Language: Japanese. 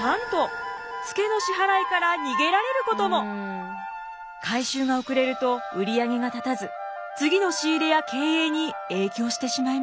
なんと回収が遅れると売上が立たず次の仕入れや経営に影響してしまいます。